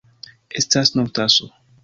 Estas nur taso.